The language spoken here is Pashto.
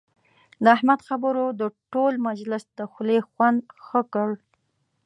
د احمد خبرو د ټول مجلس د خولې خوند ښه کړ.